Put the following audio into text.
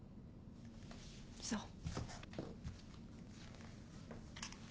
そう。